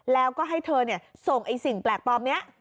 แล้วก็ให้เธอส่งไอ้สิ่งแปลกปลอมนี้